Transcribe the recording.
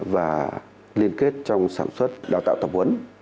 và liên kết trong sản xuất đào tạo tập huấn